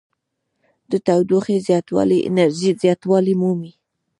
د تودوخې زیاتوالی انرژي زیاتوالی مومي.